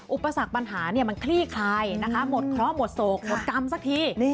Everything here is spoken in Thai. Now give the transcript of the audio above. อุปสรรคปัญหามันคลี่คลายนะคะหมดเคราะห์หมดโศกหมดกรรมสักที